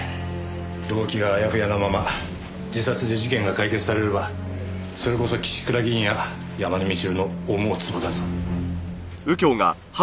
動機があやふやなまま自殺で事件が解決されればそれこそ岸倉議員や山根みちるの思うツボだぞ。